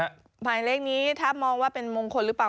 หมายเลขนี้ถ้ามองว่าเป็นมงคลหรือเปล่า